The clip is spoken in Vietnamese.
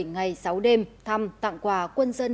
bảy ngày sáu đêm thăm tặng quà quân dân